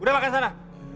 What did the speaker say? udah makan sana